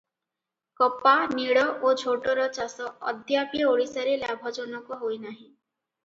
କପା, ନୀଳ ଓ ଝୋଟର ଚାଷ ଅଦ୍ୟାପି ଓଡ଼ିଶାରେ ଲାଭଜନକ ହୋଇ ନାହିଁ ।